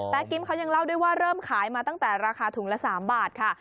กิ๊มเขายังเล่าด้วยว่าเริ่มขายมาตั้งแต่ราคาถุงละ๓บาทค่ะ